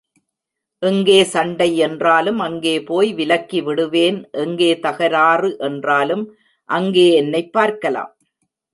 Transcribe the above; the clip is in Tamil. எங்கே சண்டை என்றாலும் அங்கே போய் விலக்கி விடுவேன் எங்கே தகராறு என்றாலும் அங்கே என்னைப் பார்க்கலாம்.